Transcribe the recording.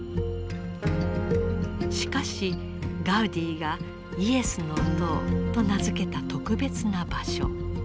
しかしガウディがイエスの塔と名付けた特別な場所。